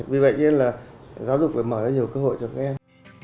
vì vậy nên là giáo dục phải mở ra nhiều cơ hội cho các em